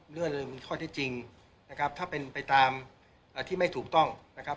เรื่องเลยมีข้อที่จริงนะครับถ้าเป็นไปตามที่ไม่ถูกต้องนะครับ